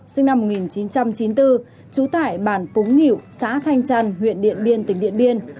sinh năm một nghìn chín trăm chín mươi bốn trú tại bản phúng nghỉu xã thanh trần huyện điện biên tỉnh điện biên